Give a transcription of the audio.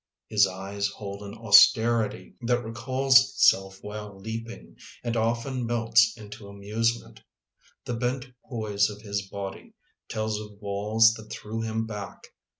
His eyes hold an austerity That recalls itself while leaping, And often melts into amusement. llie bent poise of his body Telia of walls that threw him back.